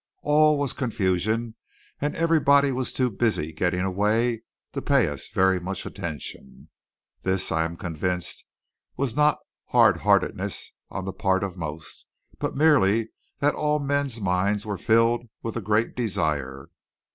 All was confusion, and everybody was too busy getting away to pay us very much attention. This, I am convinced, was not hardheartedness on the part of most; but merely that all men's minds were filled with a great desire.